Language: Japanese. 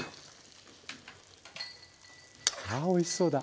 ああおいしそうだ。